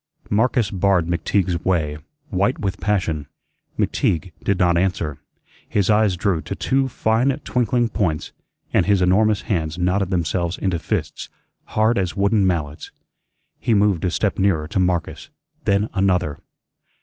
Marcus barred McTeague's way, white with passion. McTeague did not answer. His eyes drew to two fine, twinkling points, and his enormous hands knotted themselves into fists, hard as wooden mallets. He moved a step nearer to Marcus, then another.